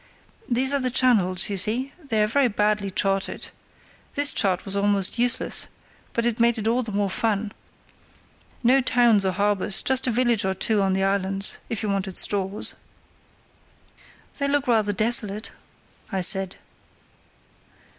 These are the channels, you see; they're very badly charted. This chart was almost useless, but it made it all the more fun. No towns or harbours, just a village or two on the islands, if you wanted stores." "They look rather desolate," I said.